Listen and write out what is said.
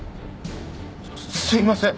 すいません。